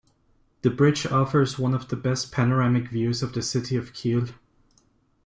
The bridge offers one of the best panoramic views of the city of Kiel.